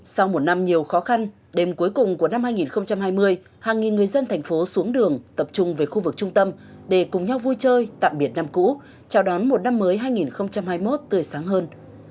sau một năm nhiều khó khăn đêm cuối cùng của năm hai nghìn hai mươi hàng nghìn người dân thành phố xuống đường tập trung về khu vực trung tâm để cùng nhau vui chơi tạm biệt năm cũ chào đón một năm mới hai nghìn hai mươi một tươi sáng hơn